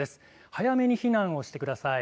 早めに避難をしてください。